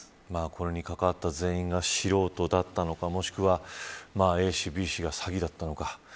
これに関わった全員が素人だったのか、もしくはＡ氏、Ｂ氏が詐欺だったのか。